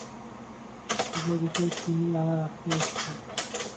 সকল বিষয়ে তিনিই আমাদের আশ্রয় স্থল।